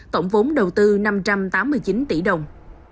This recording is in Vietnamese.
tổng vốn đầu tư năm trăm tám mươi chín tỷ đồng